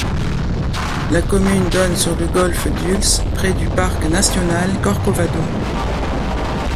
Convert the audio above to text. La commune donne sur le golfe Dulce, près du parc national Corcovado.